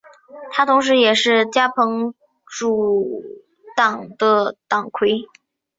他同时也是加蓬民主党的党魁。